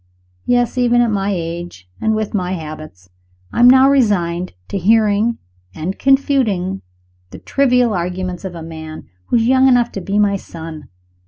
Yes! even at my age, and with my habits, I am now resigned to hearing, and confuting, the trivial arguments of a man who is young enough to be my son.